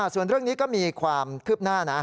ส่วนเรื่องนี้ก็มีความคืบหน้านะ